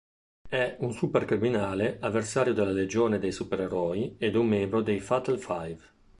È un supercriminale avversario della Legione dei Super-Eroi e un membro dei Fatal Five.